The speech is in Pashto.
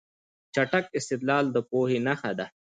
چټک استدلال د پوهې نښه ده.